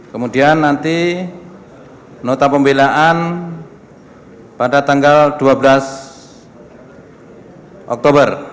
kemudian nanti nota pembelaan pada tanggal dua belas oktober